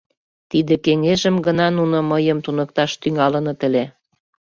— Тиде кеҥежым гына нуно мыйым туныкташ тӱҥалыныт ыле.